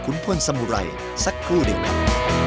คุณพลสมุไรสักครู่เดี๋ยว